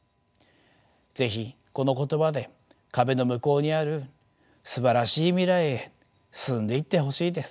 是非この言葉で壁の向こうにあるすばらしい未来へ進んでいってほしいです。